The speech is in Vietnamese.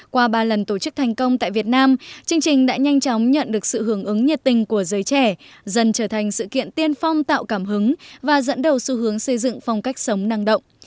qua ba lần tổ chức thành công tại việt nam chương trình đã nhanh chóng nhận được sự hưởng ứng nhiệt tình của giới trẻ dần trở thành sự kiện tiên phong tạo cảm hứng và dẫn đầu xu hướng xây dựng phong cách sống năng động